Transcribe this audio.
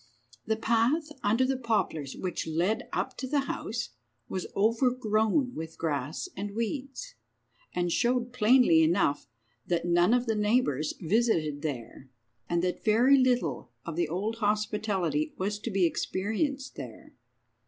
The path under the poplars which led up to the house was overgrown with grass and weeds, and showed plainly enough that none of the neighbours visited there, and that very little of the old hospitality was to be experienced there.